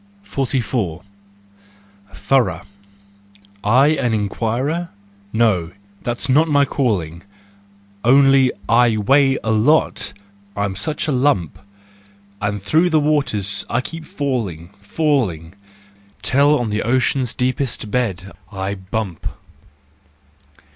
24 THE JOYFUL WISDOM 44. Thorough. I an inquirer? No, that's not my calling Only I weigh a lot —I'm such a lump !— And through the waters I keep falling, falling, Till on the ocean's deepest bed I bump.